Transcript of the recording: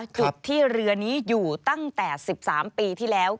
จุดที่เรือนี้อยู่ตั้งแต่๑๓ปีที่แล้ว